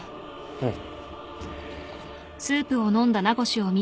うん